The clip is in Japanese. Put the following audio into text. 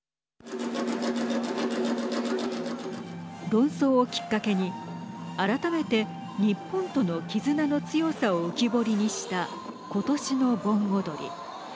論争をきっかけに改めて、日本との絆の強さを浮き彫りにしたことしの盆踊り。